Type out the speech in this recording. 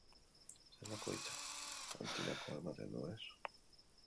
Zelako hitza, antzinakoa ematen du, ez?